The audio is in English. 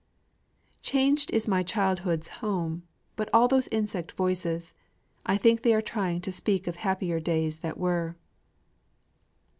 Changed is my childhood's home all but those insect voices: I think they are trying to speak of happier days that were.